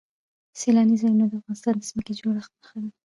سیلانی ځایونه د افغانستان د ځمکې د جوړښت نښه ده.